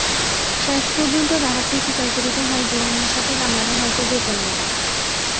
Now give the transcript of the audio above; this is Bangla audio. শেষপর্যন্ত তাহাকে স্বীকার করিতে হয় যে অন্য সাপে কামড়ালে হয়তো যেতেন মরে।